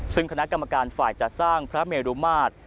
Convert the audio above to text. ซึ่งคณะกรรมการฝ่ายจัดสร้างพระเมรุมาตร